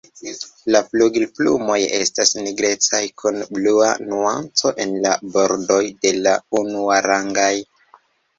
La flugilplumoj estas nigrecaj, kun blua nuanco en la bordoj de la unuarangaj.